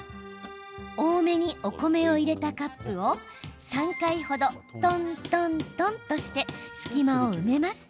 多めにお米を入れたカップを３回程、とんとんとんとして隙間を埋めます。